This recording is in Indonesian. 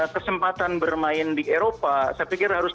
kesempatan bermain di eropa